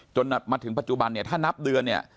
จนมาถึงปัจจุบันถ้านับเดือน